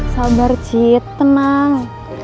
sabar cit tenang